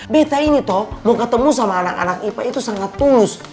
beta ini toh belum ketemu sama anak anak ipa itu sangat tulus